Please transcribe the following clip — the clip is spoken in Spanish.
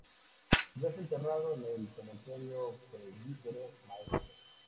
Yace enterrado en el Cementerio Presbítero Maestro.